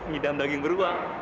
hidam daging beruang